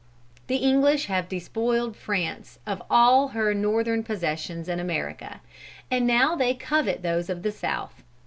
The English have despoiled France of all her Northern possessions in America, and now they covet those of the South.